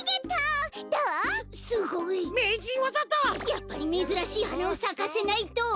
やっぱりめずらしいはなをさかせないと！